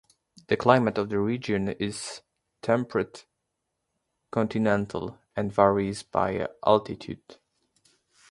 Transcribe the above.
The climate of the region is temperate continental, and varies by altitude.